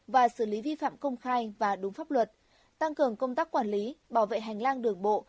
và xử lý vi phạm công khai và đúng pháp luật tăng cường công tác quản lý bảo vệ hành lang đường bộ